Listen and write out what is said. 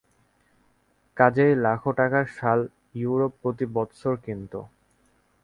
কাজেই লাখো টাকার শাল ইউরোপ প্রতি বৎসর কিনত।